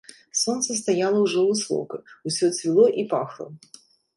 Сонца стаяла ўжо высока, усё цвіло і пахла.